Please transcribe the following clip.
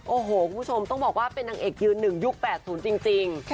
โอ้โหคุณผู้ชมต้องบอกว่าเป็นนางเอกยืน๑ยุค๘๐จริง